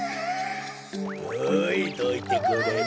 はいどいてくれる？